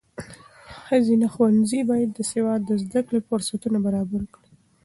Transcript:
ښځینه ښوونځي باید د سواد د زده کړې فرصتونه برابر کړي.